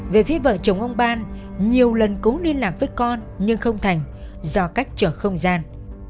về phía vợ chồng ông ban nhiều lần cú liên lạc với con nhưng không thành do cách chở không gian